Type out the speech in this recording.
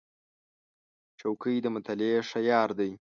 چوکۍ د مطالعې ښه یار دی.